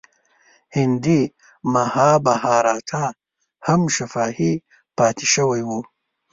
هندي مهابهاراتا هم شفاهي پاتې شوی و.